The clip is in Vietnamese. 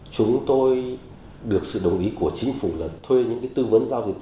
chúng tôi được sự đồng ý của chính phủ là thuê những tư vấn giao dịch